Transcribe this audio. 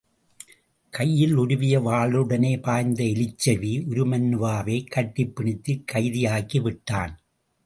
கையில் உருவிய வாளுடனே பாய்ந்த எலிச்செவி உருமண்ணுவாவைக் கட்டிப் பிணித்துக் கைதியாக்கி விட்டான்.